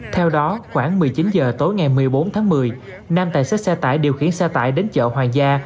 theo đó khoảng một mươi chín h tối ngày một mươi bốn tháng một mươi nam tài xế xe tải điều khiển xe tải đến chợ hoàng gia